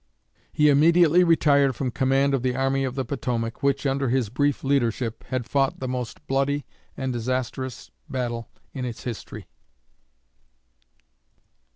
He immediately retired from command of the Army of the Potomac, which, under his brief leadership, had fought the most bloody and disastrous battle in its history.